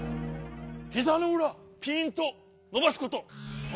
ひざのうらピーンとのばすこと。